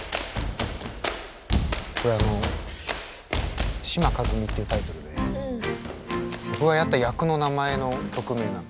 これあの「志摩一未」っていうタイトルで僕がやった役の名前の曲名なの。